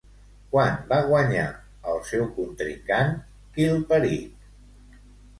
Quan va guanyar el seu contrincant Khilperic?